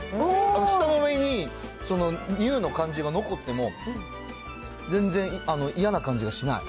舌の上に乳の感じが残ってても全然嫌な感じがしない。